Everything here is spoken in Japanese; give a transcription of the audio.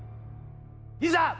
いざ！